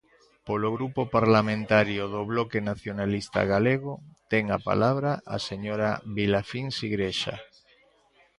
Polo Grupo Parlamentario do Bloque Nacionalista Galego, ten a palabra a señora Vilafíns Igrexa.